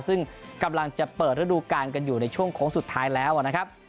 ซึ่งกำลังจะเปิดฤดูการกันอยู่ในช่วงโค้งสุดท้ายแล้วนะครับ